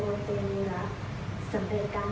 สำเพ็ญกันศึกษาระดับปริญญาตรี